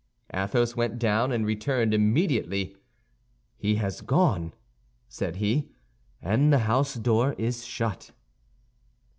Athos went down and returned immediately. "He has gone," said he, "and the house door is shut."